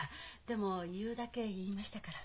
でも言うだけ言いましたから。